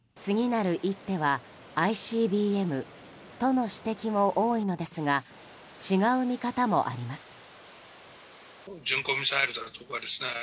次なる一手はＩＣＢＭとの指摘も多いのですが違う見方もあります。